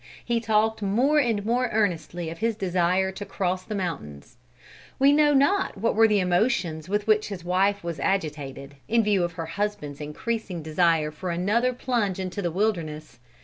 He talked more and more earnestly of his desire to cross the mountains. We know not what were the emotions with which his wife was agitated, in view of her husband's increasing desire for another plunge into the wilderness.